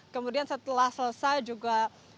kemudian setelah selesai juga